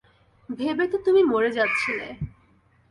ভেবে তো তুমি মরে যাচ্ছিলে।